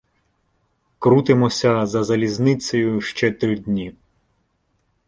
Крутимося за залізницею ще три дні.